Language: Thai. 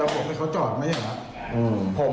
เห็นเราในคลิปเราบอกให้เขาจอดไหมอย่างนั้นครับ